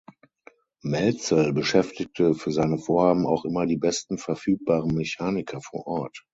Mälzel beschäftigte für seine Vorhaben auch immer die besten verfügbaren Mechaniker vor Ort.